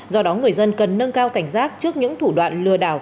do đó người dân cần nâng cao cảnh giác trước những thủ đoạn lừa đảo